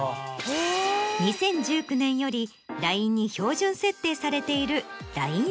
２０１９年よりＬＩＮＥに標準設定されているＬＩＮＥ